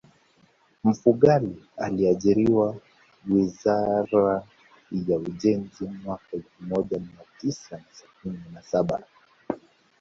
Mfugale aliajiriwa wizara ya ujenzi mwaka elfu moja mia tisa na sabini na saba